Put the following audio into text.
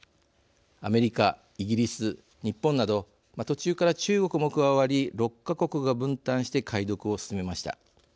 アメリカ、イギリス、日本など途中から中国も加わり６か国が分担して解読を進めました。